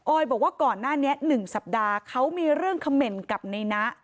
ออยบอกว่าก่อนหน้านี้๑สัปดาห์เขามีเรื่องคำเมนต์กับนี้นะ